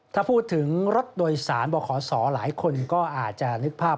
ถ้าพูดถึงรถโดยสารบ่อขศหลายคนก็อาจจะนึกภาพ